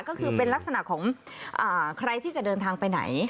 ก็คือเป็นลักษณะของใครที่จะเดินทางไปไหน